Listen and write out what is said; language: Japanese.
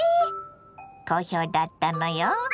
好評だったのよ。